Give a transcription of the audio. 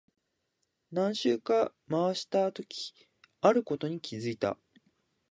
何周か回したとき、あることに気づいた。